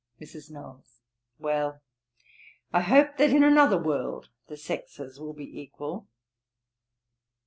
MRS. KNOWLES. 'Well, I hope that in another world the sexes will be equal.'